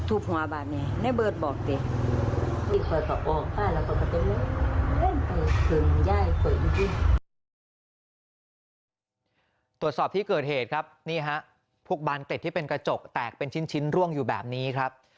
ตรวจสอบที่เกิดเหตุครับนี่ฮะพวกบานเกร็ดที่เป็นกระจกแตกเป็นชิ้นร่วงอยู่แบบนี้ครับ